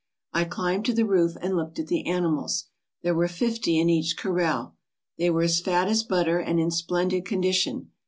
I climbed to the roof and looked at the animals. There were fifty in each corral. They were as fat as butter and in splendid con dition.